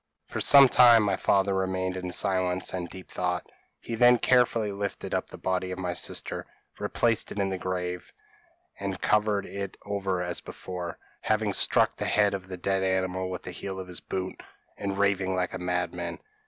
p> "For some time my father remained in silence and deep thought. He then carefully lifted up the body of my sister, replaced it in the grave, an covered it over as before, having struck the head of the dead animal with the heel of his boot, and raving like a madman.